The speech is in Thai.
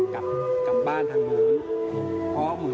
กับบ้านทางโบน